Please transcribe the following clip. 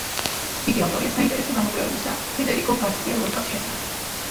იგი ავტორია საინტერესო გამოკვლევებისა ფედერიკო გარსია ლორკას შესახებ.